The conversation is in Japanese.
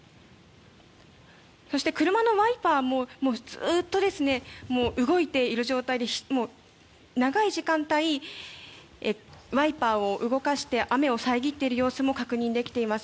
そして車のワイパーもずっと動いている状態で長い時間帯、ワイパーを動かして雨を遮っている様子も確認できています。